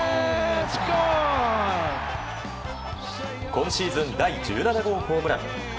今シーズン第１７号ホームラン。